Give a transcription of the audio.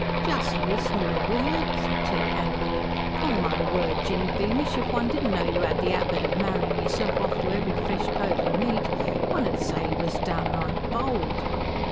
"Just listen to 'er, will you!" said Tilly angrily. "Upon my word, Jinny Beamish, if one didn't know you 'ad the 'abit of marrying yourself off to every fresh cove you meet, one 'ud say you was downright bold!"